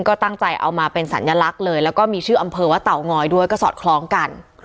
ก็ตั้งใจเอามาเป็นสัญลักษณ์เลยแล้วก็มีชื่ออำเภอว่าเตางอยด้วยก็สอดคล้องกัน